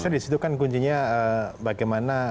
disitu kan kuncinya bagaimana